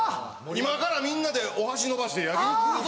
今からみんなでお箸伸ばして焼き肉食うぞ！